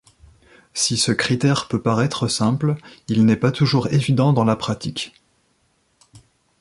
Si ce critère peut paraître simple, il n'est pas toujours évident dans la pratique.